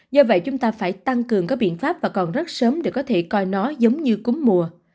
do vậy chúng ta phải tăng cường các biện pháp và còn rất sớm để có thể coi nó giống như cúm mùa